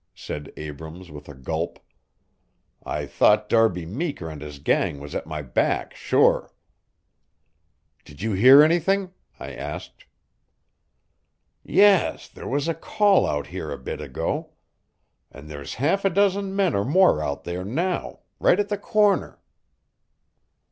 said Abrams with a gulp. "I thought Darby Meeker and his gang was at my back, sure." "Did you hear anything?" I asked. "Yes; there was a call out here a bit ago. And there's half a dozen men or more out there now right at the corner."